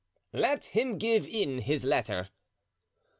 "Let him give in his letter."